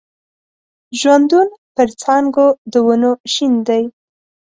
ژوندون پر څانګو د ونو شین دی